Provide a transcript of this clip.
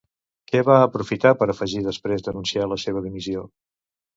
Què va aprofitar per afegir després d'anunciar la seva dimissió?